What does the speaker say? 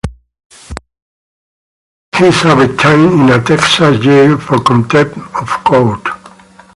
He served time in a Texas jail for contempt of court.